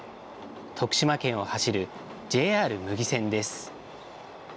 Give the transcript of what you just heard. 徳島県を走るＪＲ牟岐線です。